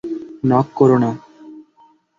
Knock কোরো না।